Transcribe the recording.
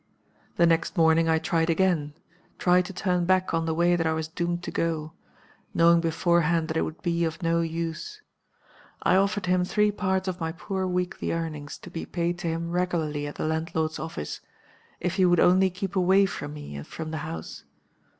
"The next morning I tried again tried to turn back on the way that I was doomed to go; knowing beforehand that it would be of no use. I offered him three parts of my poor weekly earnings, to be paid to him regularly at the landlord's office, if he would only keep away from me, and from the house.